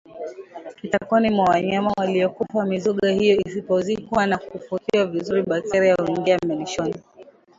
kitakoni mwa wanyama waliokufa Mizoga hiyo isipozikwa na kufukiwa vizuri bakteria huingia malishoni